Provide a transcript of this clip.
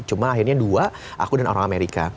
cuma akhirnya dua aku dan orang amerika